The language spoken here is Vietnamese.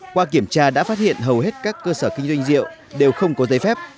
qua kiểm tra đã phát hiện hầu hết các cơ sở kinh doanh rượu đều không có giấy phép